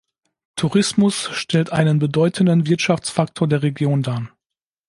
Tourismus stellt einen bedeutenden Wirtschaftsfaktor der Region dar.